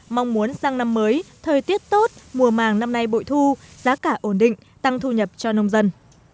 mong muốn sang năm mới thời tiết tốt mùa màng năm nay bội thu giá cả ổn định tăng thu nhập cho nông dân